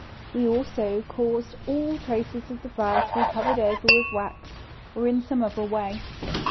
We also caused all traces of the fire to be covered over with wax or in some other way.